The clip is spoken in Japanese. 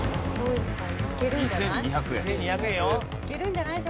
いけるんじゃない？